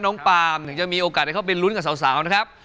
ปาล์มถึงจะมีโอกาสได้เข้าไปลุ้นกับสาวนะครับ